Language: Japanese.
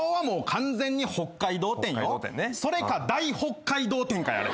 それか大北海道展かや。